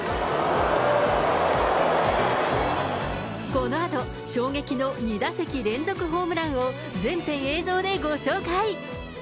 このあと、衝撃の２打席連続ホームランを、全編映像でご紹介。